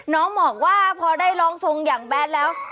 น้องบอกว่าพอได้ร้องทรงอย่างแดดแล้ว